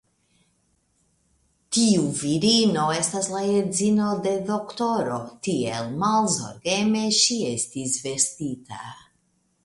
Tiu virino estas la edzino de doktoro, tiel malzorgeme ŝi estis vestita.